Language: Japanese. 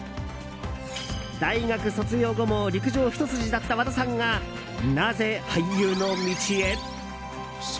大学卒業後も陸上ひと筋だった和田さんがなぜ俳優の道へ？